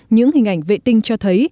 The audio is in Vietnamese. những hình ảnh vệ tinh cho thấy